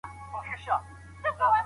کله چي يو شيطان ورته ووايي.